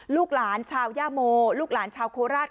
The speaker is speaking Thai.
ลูกหลานชาวย่าโมลูกหลานชาวโคราช